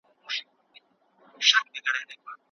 سلطنتي واک د ولسواکۍ په لور یو ښه حرکت و.